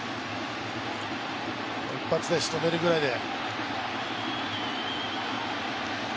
一発で仕留めるぐらいで。